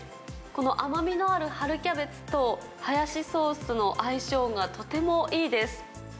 この甘みのある春キャベツと、ハヤシソースの相性がとてもいいです。